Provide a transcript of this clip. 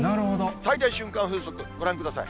最大瞬間風速ご覧ください。